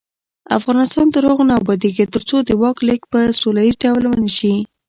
افغانستان تر هغو نه ابادیږي، ترڅو د واک لیږد په سوله ییز ډول ونشي.